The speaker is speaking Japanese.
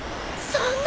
そんな。